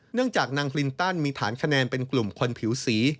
นางจากนางคลินตันมีฐานคะแนนเป็นกลุ่มคนผิวสี